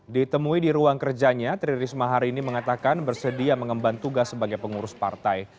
ditemui di ruang kerjanya tri risma hari ini mengatakan bersedia mengemban tugas sebagai pengurus partai